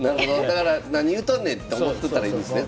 だから何言うとんねんって思っとったらいいんですね